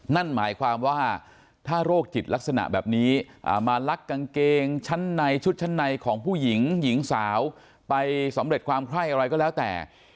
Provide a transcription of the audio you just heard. นั่นหมายความว่าถ้าโรคจิตลักษณะแบบนี้มาลักกางเกงชั้นในชุดชั้นในของผู้หญิงหญิงสาวไปสำเร็จความไคร้อะไรก็แล้วแต่